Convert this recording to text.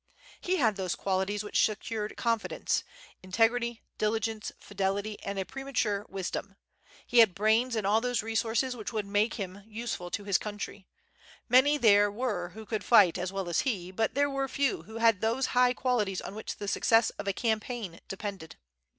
He had those qualities which secured confidence, integrity, diligence, fidelity, and a premature wisdom. He had brains and all those resources which would make him useful to his country. Many there were who could fight as well as he, but there were few who had those high qualities on which the success of a campaign depended.